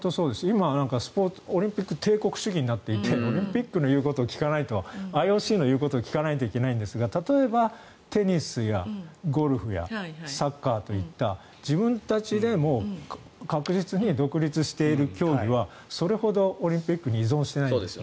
今、オリンピック帝国主義になっていてオリンピックの言うことを聞かないとＩＯＣの言うことを聞かないといけないんですが例えば、テニスやゴルフやサッカーといった自分たちで確実に独立している競技はそれほどオリンピックに依存してないんです。